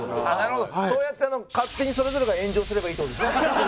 そうやって勝手にそれぞれが炎上すればいいって事ですね？